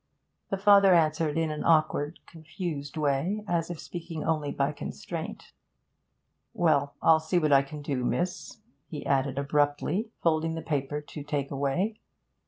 The father answered in an awkward, confused way, as if speaking only by constraint. 'Well, I'll see what I can do, miss,' he added abruptly, folding the paper to take away.